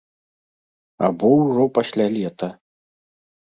Або ўжо пасля лета.